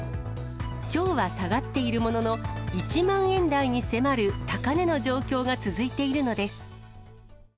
きょうは下がっているものの、１万円台に迫る高値の状況が続いているのです。